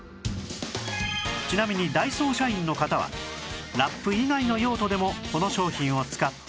ちなみにダイソー社員の方はラップ以外の用途でもこの商品を使っていました